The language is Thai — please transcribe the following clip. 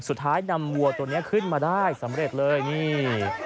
สุดท้ายนำวัวตัวนี้ขึ้นมาได้สำเร็จเลยนี่